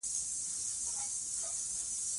منی د افغانستان د صادراتو برخه ده.